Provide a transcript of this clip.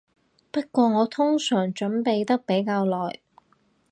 不過我通常準備得比較耐